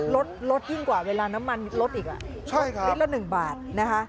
ลดลดยิ่งกว่าเวลาน้ำมันลดอีกอ่ะใช่ครับลิตรละหนึ่งบาทนะคะ